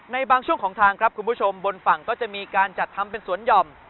บางช่วงของทางครับคุณผู้ชมบนฝั่งก็จะมีการจัดทำเป็นสวนหย่อม